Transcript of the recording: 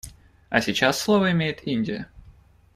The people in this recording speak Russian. А сейчас слово имеет Индия.